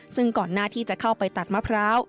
ซึ่งก่อนหน้าที่จะเข้าไปตัดมะพร้าว